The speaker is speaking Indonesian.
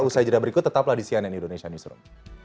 usai jeda berikut tetap ladisianin indonesia newsroom